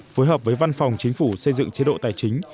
phối hợp với văn phòng chính phủ xây dựng chế độ tài chính